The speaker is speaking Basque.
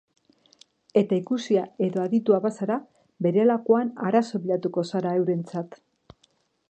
Eta ikusia edo aditua bazara, berehalakoan arazo bilakatuko zara eurentzat.